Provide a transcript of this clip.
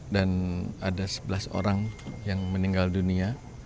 dan ada sebelas orang yang meninggal dunia